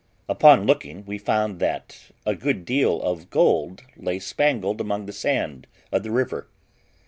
Upon looking we found that a good deal of gold lay spangled among the sand of the river.